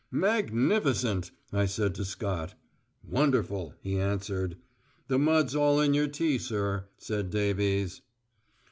"Magnificent," I said to Scott. "Wonderful," he answered. "The mud's all in your tea, sir," said Davies.